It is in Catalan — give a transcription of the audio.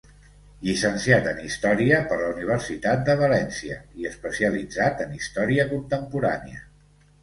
Llicenciat en història per la Universitat de València, i especialitzat en Història Contemporània.